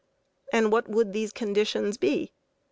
And what would these conditions be?